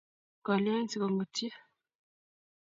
kolyain sikong'utyi?